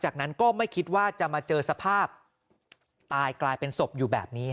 จากนั้นก็ไม่คิดว่าจะมาเจอสภาพตายกลายเป็นศพอยู่แบบนี้